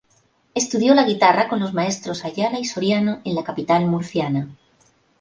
Estudió la guitarra con los maestros Ayala y Soriano en la capital murciana.